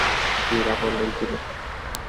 মীরা বললেন, কী ব্যাপার?